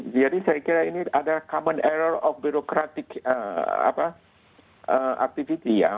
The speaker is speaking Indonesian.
jadi saya kira ini adalah common error of bureaucratic activity ya